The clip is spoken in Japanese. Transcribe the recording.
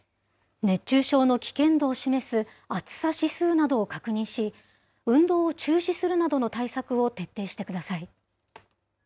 熱中症の危険度を示す暑さ指数などを確認し、運動を中止するなどの対策を徹底してください。